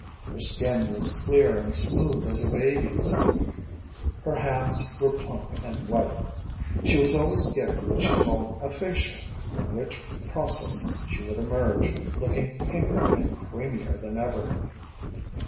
Her skin was clear and smooth as a baby's. Her hands were plump and white. She was always getting what she called a facial, from which process she would emerge looking pinker and creamier than ever.